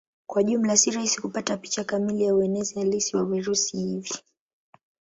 Kwa jumla si rahisi kupata picha kamili ya uenezi halisi wa virusi hivi.